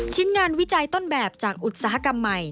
ชิ้นงานวิจัยต้นแบบจากอุตสาหกรรมใหม่